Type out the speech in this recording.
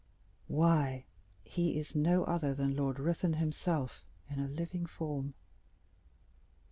20147m "Why, that he is no other than Lord Ruthven himself in a living form."